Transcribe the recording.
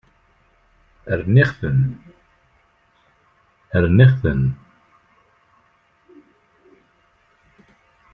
Rniɣ-ten.